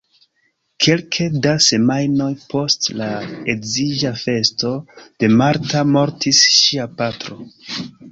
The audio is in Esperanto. Kelke da semajnoj post la edziĝa festo de Marta mortis ŝia patro.